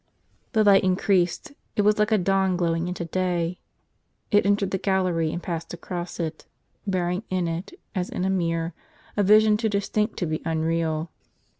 The light increased ; it was like a dawn glowing into day ; it entered the gallery and passed across it, bearing in it, as in a mirror, a vision too distinct to be unreal.